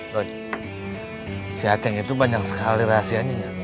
don si aceng itu banyak sekali rahasianya ya